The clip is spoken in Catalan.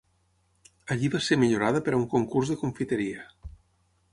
Allí va ser millorada per a un concurs de confiteria.